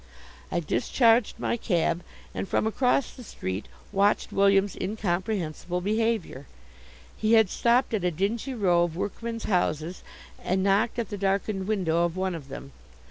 I discharged my cab, and from across the street watched William's incomprehensible behavior. He had stopped at a dingy row of workmen's houses, and knocked at the darkened window of one of them.